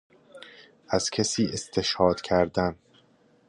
از کسی استشهاد کردن